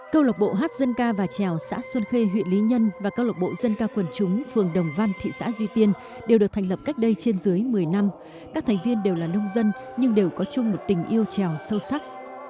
câu lạc bộ hát dân ca và trèo xã xuân khê huyện lý nhân và câu lộc bộ dân ca quần chúng phường đồng văn thị xã duy tiên đều được thành lập cách đây trên dưới một mươi năm các thành viên đều là nông dân nhưng đều có chung một tình yêu trèo sâu sắc